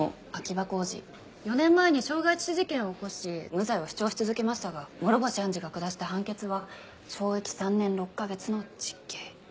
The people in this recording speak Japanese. ４年前に傷害致死事件を起こし無罪を主張し続けましたが諸星判事が下した判決は懲役３年６カ月の実刑。